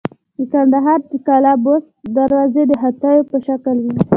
د کندهار د قلعه بست دروازې د هاتیو په شکل وې